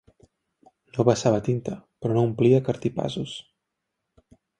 No vessava tinta, però no omplia cartipàsos